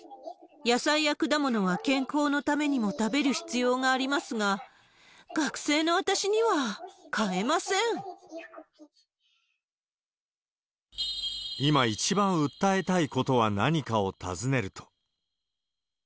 野菜や果物は健康のためにも食べる必要がありますが、今、一番訴えたいことは何かを尋ねると。